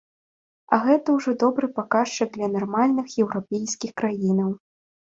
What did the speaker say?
А гэта ўжо добры паказчык для нармальных еўрапейскіх краінаў.